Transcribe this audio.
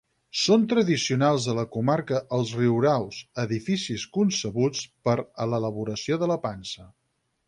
Són tradicionals de la comarca els riuraus, edificis concebuts per a l'elaboració de la pansa.